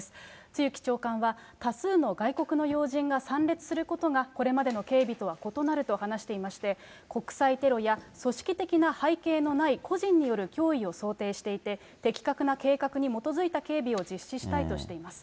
露木長官は多数の外国の要人が参列することが、これまでの警備とは異なると話していまして、国際テロや組織的な背景のない個人による脅威を想定していて、的確な計画に基づいた警備を実施したいとしています。